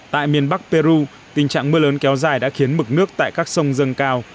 tại miền bắc peru tình trạng mưa lớn kéo dài đã khiến mực nước tại các sông dâng cao